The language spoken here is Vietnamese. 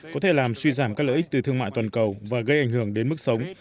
có thể làm suy giảm các lợi ích từ thương mại toàn cầu và gây ảnh hưởng đến mức sống